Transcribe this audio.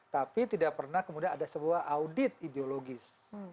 tapi tidak pernah kemudian ada sebuah audit ideologis